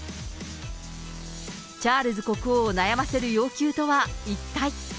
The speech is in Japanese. チャールズ国王を悩ませる要求とは、一体。